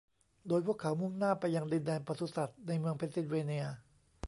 โดยพวกเขามุ่งหน้าไปยังดินแดนปศุสัตว์ในเมืองเพนซิลเวเนีย